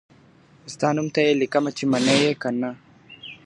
ستا نوم ته یې لیکمه چی منې یې او که نه .